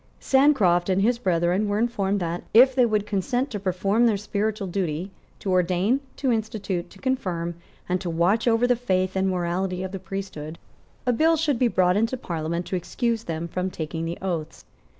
Sancroft and his brethren were informed that, if they would consent to perform their spiritual duty, to ordain, to institute, to confirm, and to watch over the faith and the morality of the priesthood, a bill should be brought into Parliament to excuse them from taking the oaths.